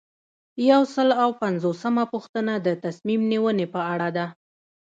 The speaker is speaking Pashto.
یو سل او پنځوسمه پوښتنه د تصمیم نیونې په اړه ده.